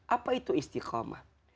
apa itu istiqomah